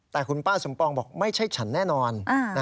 แต่คุณป้าสมปองบอกไม่ใช่ฉันแน่นอน